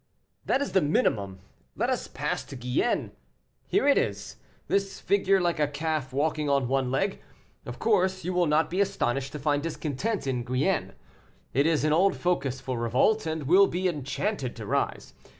"That is the minimum; let us pass to Guyenne; here it is, this figure like a calf walking on one leg. Of course, you will not be astonished to find discontent in Guyenne; it is an old focus for revolt, and will be enchanted to rise.